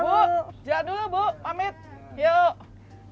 bu jalan dulu bu pamit yuk